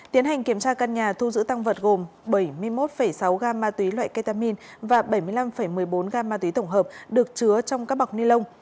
tiến hành kiểm tra căn nhà thu giữ tăng vật gồm bảy mươi một sáu gam ma túy loại ketamin và bảy mươi năm một mươi bốn gam ma túy tổng hợp được chứa trong các bọc ni lông